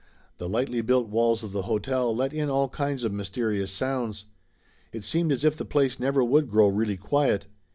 The lightly built walls of the hotel let in all kinds of mysterious sounds. It seemed as if the place never would grow really quiet.